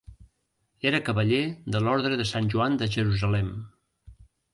Era cavaller de l'Orde de Sant Joan de Jerusalem.